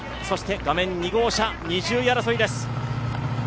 画面２号車、２０位争いです。